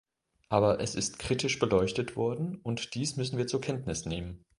Aber es ist kritisch beleuchtet worden, und dies müssen wir zur Kenntnis nehmen.